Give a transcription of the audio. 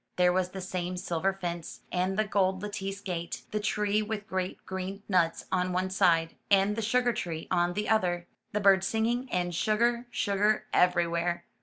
There was the same silver fence, and the gold lattice gate, the tree with the great green nuts on one side, and the sugar tree on the other, the birds singing, and sugar, sugar everywhere.